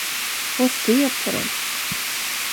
Och se på dem!